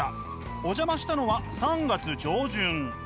お邪魔したのは３月上旬。